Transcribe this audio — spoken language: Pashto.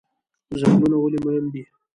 ځنګلونه ولې مهم دي؟